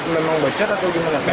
memang bocor atau gimana